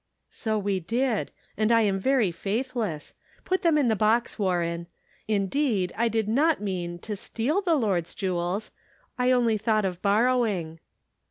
"So we did. And I am very faithless; put them in the box, Warren ; indeed, I did not mean, to steal the Lord's jewels, I only thought of borrowing."